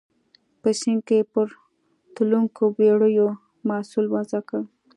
په سیند کې پر تلونکو بېړیو محصول وضع کړ.